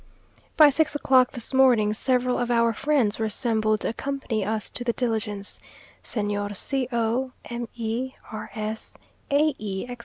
By six o'clock this morning several of our friends were assembled to accompany us to the diligence (Señors C o, M e, R s, A e, etc.)